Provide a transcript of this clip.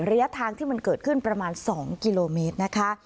ระยะทางที่มันเกิดขึ้นประมาณ๒กิโลเมตรนะคะ